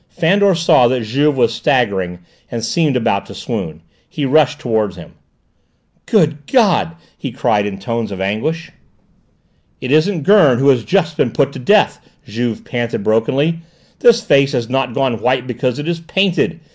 Fandor saw that Juve was staggering and seemed about to swoon. He rushed towards him. "Good God!" he cried in tones of anguish. "It isn't Gurn who has just been put to death!" Juve panted brokenly. "This face has not gone white because it is painted!